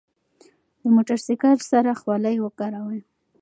له موټر سایکل سره خولۍ وکاروئ.